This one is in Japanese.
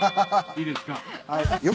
いいですか？